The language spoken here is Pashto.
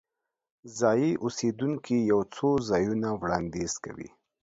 ځایي اوسیدونکي یو څو ځایونه وړاندیز کوي.